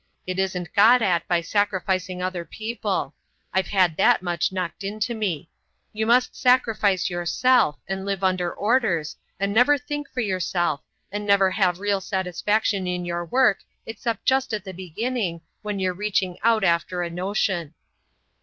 It isn't got at by sacrificing other people,—I've had that much knocked into me; you must sacrifice yourself, and live under orders, and never think for yourself, and never have real satisfaction in your work except just at the beginning, when you're reaching out after a notion."